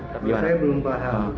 saya belum paham